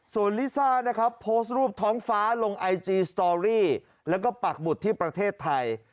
ส่วนลิซ่านะครับโพสต์รูปท้องฟ้าลงไอจีสตอรี่แล้วก็ปักหมุดที่ประเทศไทย